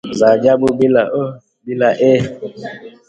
za ajabu bila ooh, bila eee